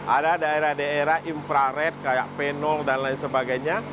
ada daerah daerah infrared kayak penol dan lain sebagainya